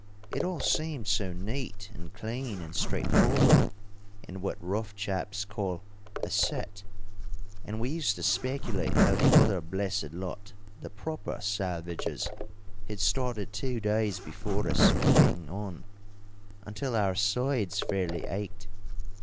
It all seemed so neat and clean and straightforward, and what rough chaps call a 'cert.' And we used to speculate how the other blessed lot, the proper salvagers, who'd started two days before us, were getting on, until our sides fairly ached.